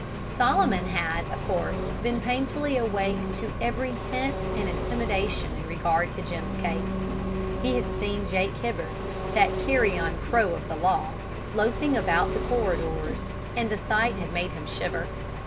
Solomon had, of course, been painfully awake to every hint and intimation in regard to Jim's case. He had seen Jake Hibbard, that carrion crow of the law, loafing about the corridors, and the sight had made him shiver.